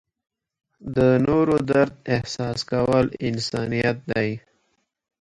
د نورو درد احساس کول انسانیت دی.